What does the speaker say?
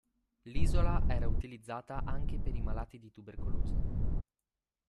L'isola era utilizzata anche per i malati di tubercolosi.